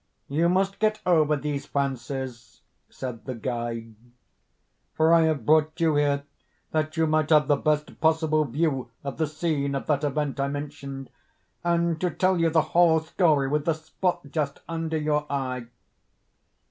"You must get over these fancies," said the guide, "for I have brought you here that you might have the best possible view of the scene of that event I mentioned—and to tell you the whole story with the spot just under your eye."